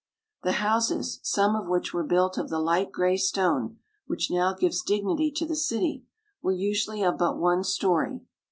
The houses, some of which were built of the light gray stone which now gives dignity to the city, were usually of but one story.